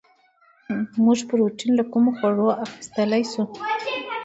موږ پروټین له کومو خوړو اخیستلی شو